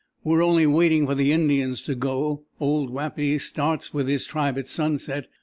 We're only waiting for the Indians to go. Old Wapi starts with his tribe at sunset.